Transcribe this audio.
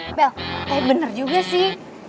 eh bel kayak bener juga sih